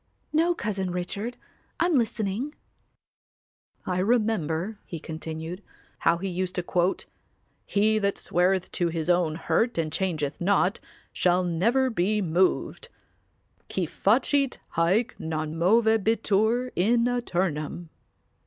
"No, Cousin Richard, I'm listening." "I remember," he continued, "how he used to quote 'He that sweareth to his own hurt and changeth not shall never be moved,' 'qui facit haec non movebitur in aeternum.